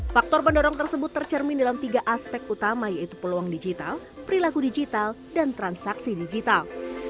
faktor pendorong tersebut tercermin dalam tiga aspek utama yaitu peluang digital perilaku digital dan transaksi digital